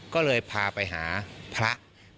ก็เลยพาไปหาพระ